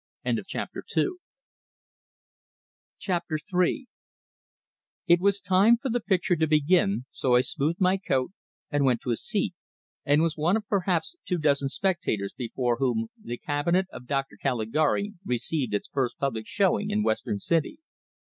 III It was time for the picture to begin, so I smoothed my coat, and went to a seat, and was one of perhaps two dozen spectators before whom "The Cabinet of Dr. Caligari" received its first public showing in Western City.